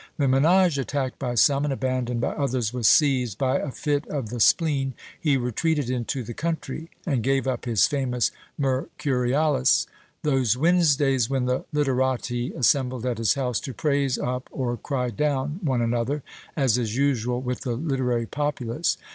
When Menage, attacked by some, and abandoned by others, was seized by a fit of the spleen, he retreated into the country, and gave up his famous Mercuriales; those Wednesdays when the literati assembled at his house, to praise up or cry down one another, as is usual with the literary populace.